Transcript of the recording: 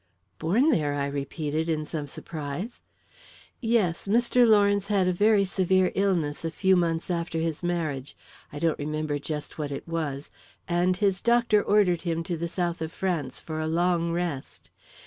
"Born there?" I repeated, in some surprise. "Yes. Mr. Lawrence had a very severe illness a few months after his marriage I don't remember just what it was and his doctor ordered him to the south of France for a long rest.